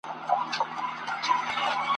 نه هدف چاته معلوم دی نه په راز یې څوک پوهیږي !.